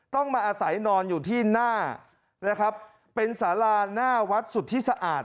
ต้องมาอสัยนอนอยู่ที่หน้าเป็นสาราหน้าวัดสุดที่สะอาด